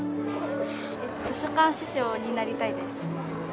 図書館司書になりたいです。